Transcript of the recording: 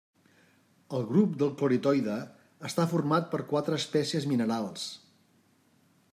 El grup del cloritoide està format per quatre espècies minerals.